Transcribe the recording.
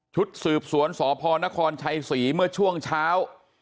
ชุดสืบสวนสพนครชัยศรีเมื่อช่วงเช้า